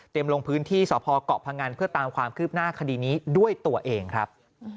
ลงพื้นที่สพเกาะพงันเพื่อตามความคืบหน้าคดีนี้ด้วยตัวเองครับ